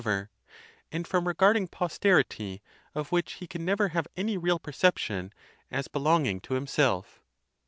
as he hopes may last forever; and from regarding posterity, of which he can never have any real perception, as belonging to himself.